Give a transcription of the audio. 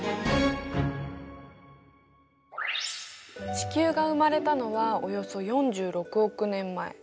地球が生まれたのはおよそ４６億年前。